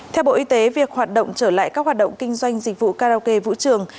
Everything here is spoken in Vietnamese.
theo bộ y tế việc hoạt động trở lại các hoạt động kinh doanh dịch vụ karaoke vũ trường